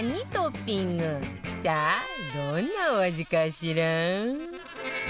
さあどんなお味かしら？